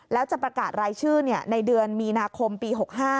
แล้วจะประกาศรายชื่อในเดือนมีนาคมปี๖๕